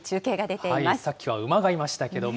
さっきは馬がいましたけども。